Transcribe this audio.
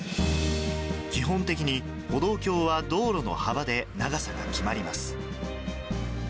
基本的に歩道橋は道路の幅で長さが決まります。